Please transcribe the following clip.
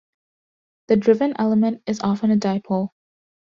The driven element is often a dipole.